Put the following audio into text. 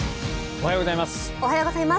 おはようございます。